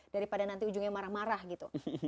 daripada nanti ujungnya marah marah gitu